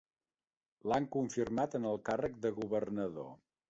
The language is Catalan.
L'han confirmat en el càrrec de governador.